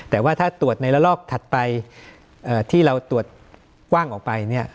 แต่ว่าถ้าตรวจในระลอกถัดไปที่เราตรวจกว้างออกไปเนี่ย